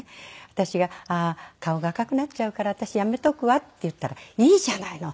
私が「顔が赤くなっちゃうから私やめとくわ」って言ったら「いいじゃないの。